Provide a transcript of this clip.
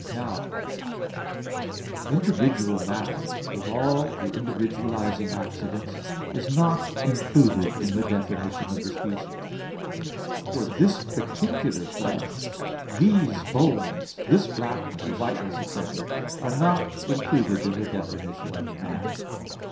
Now individual matter, with all the individualizing accidents, is not included in the definition of the species. For this particular flesh, these bones, this blackness or whiteness, etc., are not included in the definition of a man.